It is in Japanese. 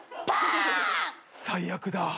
最悪だ。